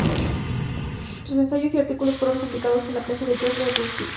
Sus ensayos y artículos fueron publicados en la prensa de Georgia y Rusia.